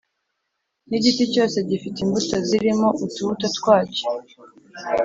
n’igiti cyose gifite imbuto zirimo utubuto twacyo,